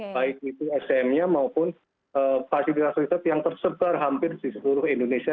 baik itu sdm nya maupun fasilitas riset yang tersebar hampir di seluruh indonesia